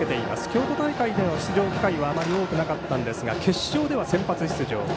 京都大会での出場機会はあまり多くなかったんですが決勝では先発出場。